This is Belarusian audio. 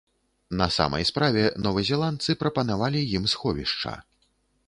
На самай справе, новазеландцы прапанавалі ім сховішча.